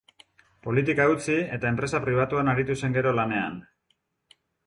Politika utzi, eta enpresa pribatuan aritu zen gero lanean.